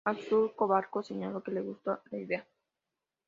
Azul cobalto señaló que le gustó la idea.